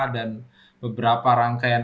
dan beberapa rangkaian